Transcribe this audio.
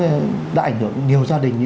vấn đề đã ảnh hưởng nhiều gia đình như